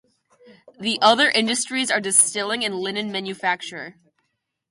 The other industries are distilling and linen manufacture.